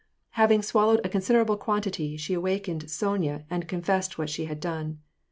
Having swallowed a considerable quantity, she awakened Sonya and confessed what she had done.